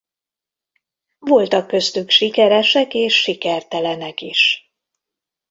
Voltak köztük sikeresek és sikertelenek is.